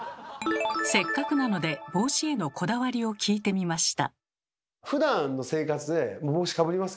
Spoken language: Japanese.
せっかくなので帽子へのこだわりを聞いてみました。